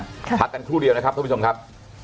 พักกันครู่เดียวนะครับท่านผู้ชมครับ